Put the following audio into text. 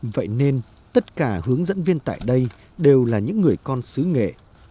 vậy nên tất cả hướng dẫn viên tại đây đều là những người con xứ nghệ